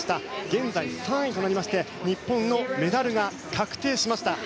現在、３位となりまして日本のメダルが確定しました。